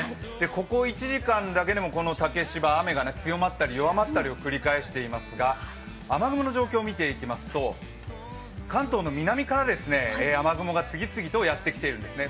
ここ１時間だけでもこの竹芝、雨が強まったり弱まったりを繰り返していますが雨雲の状況を見ていきますと関東の南から雨雲が次々とやってきているんですね。